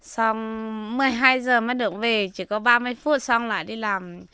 xong một mươi hai giờ mới được về chỉ có ba mươi phút xong lại đi làm